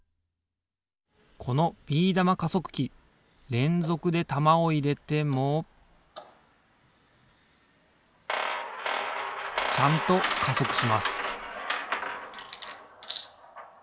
このビー玉加速器れんぞくで玉をいれてもちゃんと加速します